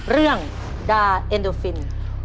เรื่องดาเอ็นโดฟิน